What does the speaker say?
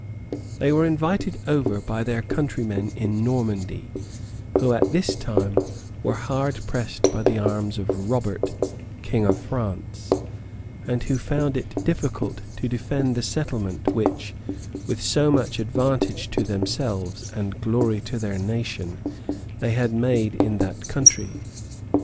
They were invited over by their countrymen in Normandy, who at this time were hard pressed by the arms of Robert, king of France, and who found it difficult to defend the settlement, which, with so much advantage to themselves, and glory to their nation, they had made in that country.